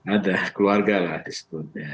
ada keluarga lah disitu